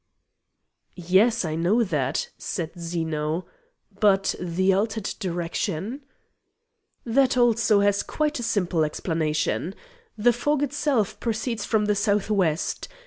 "Yes, I know that," said Zeno. "But the altered direction?" "That also has quite a simple explanation. The fog itself proceeds from the south west.